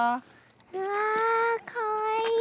うわかわいい。